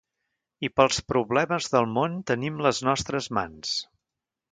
I pels problemes del món tenim les nostres mans.